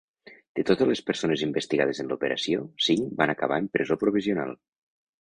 De totes les persones investigades en l’operació, cinc van acabar en presó provisional.